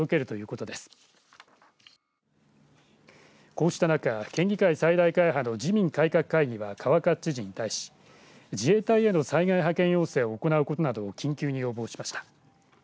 こうした中、県議会最大会派の自民改革会議は川勝知事に対し自衛隊への災害派遣要請を行うことなどを緊急に要望しました。